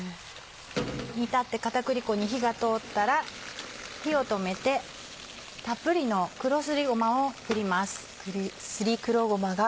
煮立って片栗粉に火が通ったら火を止めてたっぷりの黒すりごまを振ります。